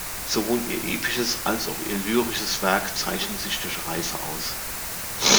Sowohl ihr episches als auch ihr lyrisches Werk zeichnen sich durch Reife aus.